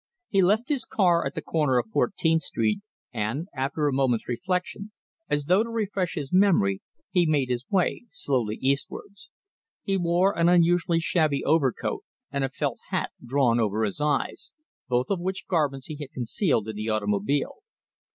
He left his car at the corner of Fourteenth Street, and, after a moment's reflection, as though to refresh his memory, he made his way slowly eastwards. He wore an unusually shabby overcoat, and a felt hat drawn over his eyes, both of which garments he had concealed in the automobile.